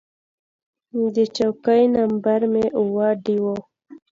د چوکۍ نمبر مې اووه ډي و.